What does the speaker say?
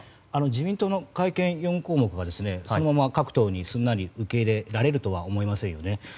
自民党の改憲４項目はそのまま各党にすんなり受け入れられるとは思えませんよね。